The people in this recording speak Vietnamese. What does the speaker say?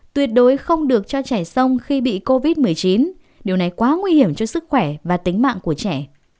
tuyệt đối không được cho chảy sông khi bị covid một mươi chín điều này quá nguy hiểm cho sức khỏe và tính mạng của trẻ